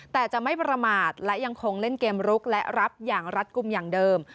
แต่จะไม่ประมาทและยังคงเล่นเกมลุกและรับอย่างรัฐกลุ่มอย่างเดิม